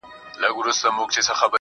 څومره دي ښايست ورباندي ټك واهه,